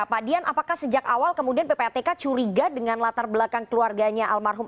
pak dian apakah sejak awal kemudian ppatk curiga dengan latar belakang keluarganya almarhum